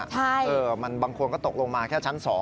ใช่บางคนก็ตกลงมาแค่ชั้น๒